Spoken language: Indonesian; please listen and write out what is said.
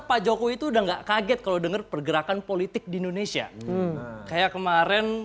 pak jokowi itu udah nggak kaget kalau denger pergerakan politik di indonesia kayak kemarin